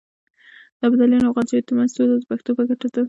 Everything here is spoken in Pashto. د ابدالیانو او غلجیو ترمنځ سوله د پښتنو په ګټه وه.